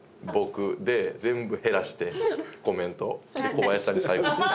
小林さんに最後。